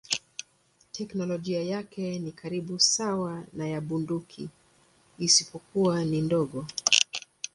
Teknolojia yake ni karibu sawa na ya bunduki isipokuwa ni ndogo.